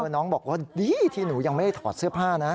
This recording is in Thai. น้องบอกว่าดีที่หนูยังไม่ได้ถอดเสื้อผ้านะ